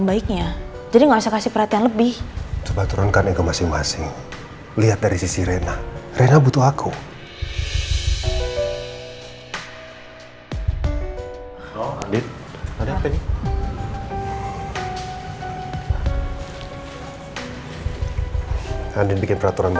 andi bikin peraturan baru lagi